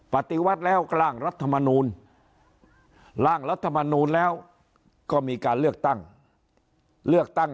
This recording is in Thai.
ปฏิวัติแล้วก็ล่างรัฐมนูณล่างรัฐมนูณแล้วก็มีการเลือกตั้ง